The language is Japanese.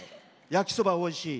やきそばおいしい。